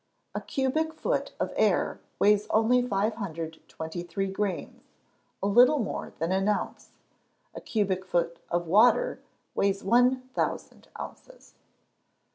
_ A cubic foot of air weighs only 523 grains, a little more than an ounce; a cubic foot of water weighs one thousand ounces.